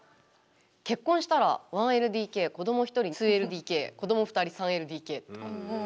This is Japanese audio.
結婚したら１ＬＤＫ子ども１人２ＬＤＫ子ども２人３ＬＤＫと。